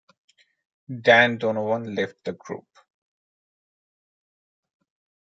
Dan Donovan left the group.